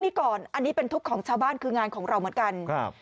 นี่ก่อนอันนี้เป็นทุกข์ของชาวบ้านคืองานของเราเหมือนกันครับ